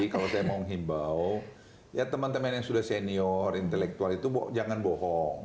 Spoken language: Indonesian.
kalau saya mau menghimbau ya teman teman yang sudah senior intelektual itu jangan bohong